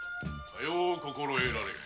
さよう心得られい。